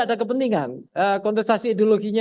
ada kepentingan kontestasi ideologinya